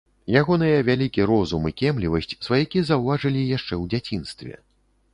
Ягоныя вялікі розум і кемлівасць сваякі заўважылі яшчэ ў дзяцінстве.